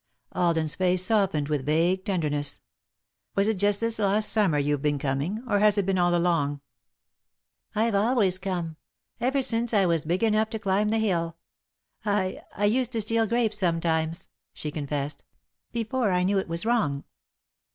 Alden's face softened with vague tenderness. "Was it just this last Summer you've been coming, or has it been all along?" "I've always come ever since I was big enough to climb the hill. I I used to steal grapes sometimes," she confessed, "before I knew it was wrong."